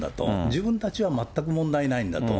自分たちは全く問題ないんだと。